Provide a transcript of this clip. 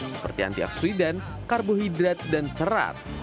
seperti anti oksidan karbohidrat dan serat